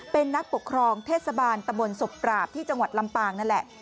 เป็นนักปกครองเทศบาลตะบนศพปราบที่จังหวัดลำปางนั่นแหละ